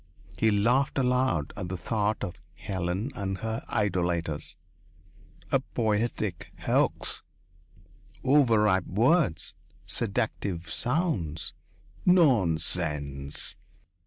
He laughed aloud at the thought of Helen and her idolaters. A poetic hoax. Overripe words. Seductive sounds. Nonsense!